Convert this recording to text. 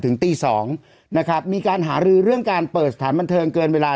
ตี๒นะครับมีการหารือเรื่องการเปิดสถานบันเทิงเกินเวลา